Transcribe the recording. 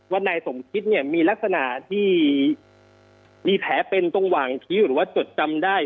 นายสมคิดเนี่ยมีลักษณะที่มีแผลเป็นตรงหว่างคิ้วหรือว่าจดจำได้